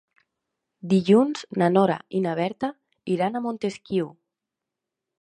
Dilluns na Nora i na Berta iran a Montesquiu.